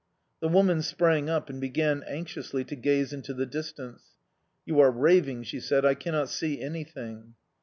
The woman sprang up and began anxiously to gaze into the distance. "You are raving!" she said. "I cannot see anything."